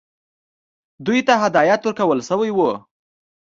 دوی ته هدایت ورکړل شوی وو.